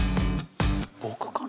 僕かな？